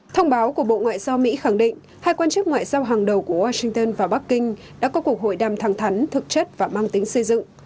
thông báo của bộ ngoại giao mỹ khẳng định hai quan chức ngoại giao hàng đầu của washington và bắc kinh đã có cuộc hội đàm thẳng thắn thực chất và mang tính xây dựng